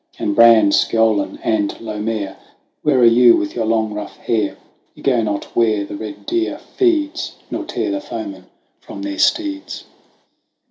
And Bran, Sgeolan, and Lomair, Where are you with your long rough hair ? You go not where the red deer feeds, Nor tear the foeman from their steeds. S.